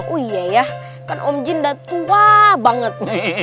oh iya ya kan om jin udah tua banget